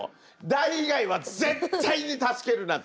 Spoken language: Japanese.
「Ｄｉｅ」以外は絶対に助けるなと。